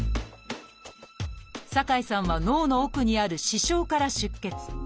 酒井さんは脳の奥にある「視床」から出血。